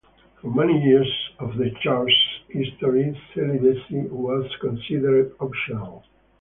For many years of the Church's history, celibacy was considered optional.